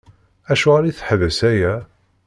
Acuɣer i teḥbes aya?